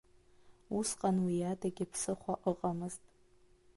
Усҟан уиадагьы ԥсыхәа ыҟамызт.